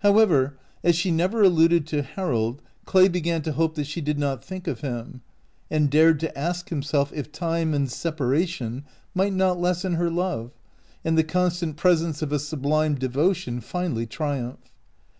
However, as she never alluded to Harold Clay began to hope that she did not think of him, and dared to ask himself if time and separation might not lessen her love, and the constant presence of a sublime devotion finally triumph.